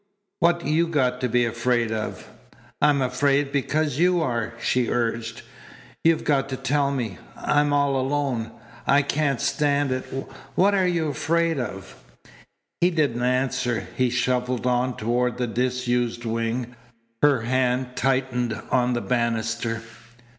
What you got to be afraid of?" "I'm afraid because you are," she urged. "You've got to tell me. I'm all alone. I can't stand it. What are you afraid of?" He didn't answer. He shuffled on toward the disused wing. Her hand tightened on the banister.